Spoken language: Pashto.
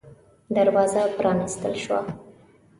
دروازه پرانستل شوه.